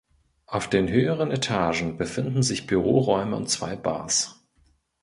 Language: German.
Auf den höheren Etagen befinden sich Büroräume und zwei Bars.